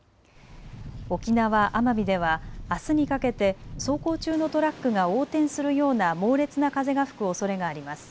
沖縄・奄美ではあすにかけて走行中のトラックが横転するような猛烈な風が吹くおそれがあります。